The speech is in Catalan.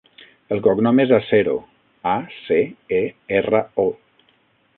El cognom és Acero: a, ce, e, erra, o.